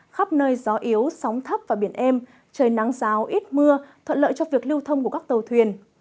khắp nơi gió yếu sóng thấp và biển êm trời nắng giáo ít mưa thuận lợi cho việc lưu thông của các tàu thuyền